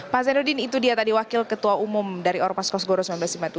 pak zainuddin itu dia tadi wakil ketua umum dari ormas kosgoro seribu sembilan ratus lima puluh tujuh